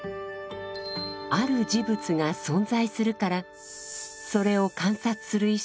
ある事物が存在するからそれを観察する意識が生じる。